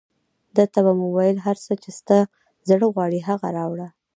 ده ته به مو ویل، هر څه چې ستا زړه غواړي هغه راوړه.